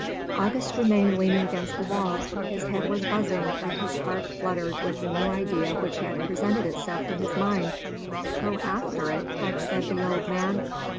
August remained leaning against the wall; his head was buzzing and his heart fluttering with the new idea which had presented itself to his mind. "Go after it," had said the old man.